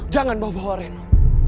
jangan membawa bawa reno